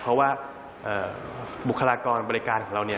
เพราะว่าบุคลากรบริการของเรา